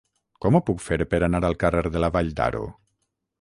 Com ho puc fer per anar al carrer de la Vall d'Aro?